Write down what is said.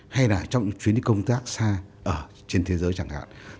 hay là trong chuyến đi công tác xa ở trên thế giới chẳng hạn